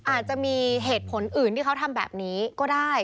อาจจะมีเหตุผลอื่นที่เขาทำแบบนี้ก็ได้